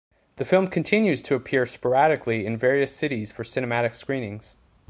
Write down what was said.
The film continues to appear sporadically in various cities for cinematic screenings.